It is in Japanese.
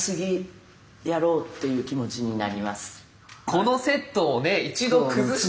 このセットをね一度崩して。